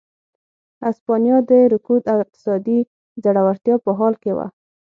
هسپانیا د رکود او اقتصادي ځوړتیا په حال کې وه.